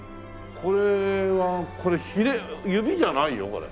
これはこれヒレ指じゃないよこれ。